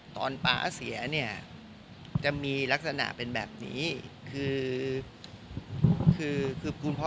ตอนปะแสนเนี้ยจะมีลักษณะเป็นแบบนี้คือคือคือปุ๊บคุณพ่อ